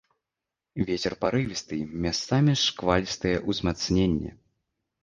Вецер парывісты, месцамі шквалістае ўзмацненне.